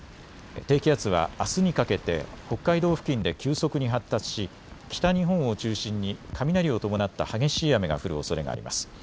低気圧はあすにかけて北海道付近で急速に発達し北日本を中心に雷を伴った激しい雨が降るおそれがあります。